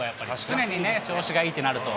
常に調子がいいってなると。